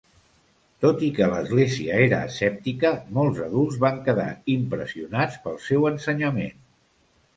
Tot i que l'Església era escèptica, molts adults van quedar impressionats pel seu ensenyament.